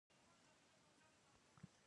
د دویم ډول لویه موخه د پیسو د پړسوب مخنیوى دی.